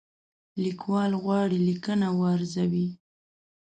لیکوال غواړي لیکنه وارزوي.